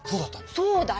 そうだよ！